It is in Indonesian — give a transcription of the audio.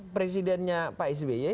presidennya pak sby